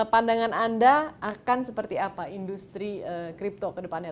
pandangan anda akan seperti apa industri crypto kedepannya